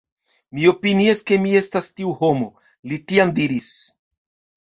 Mi opinias ke mi estas tiu homo, li tiam diris.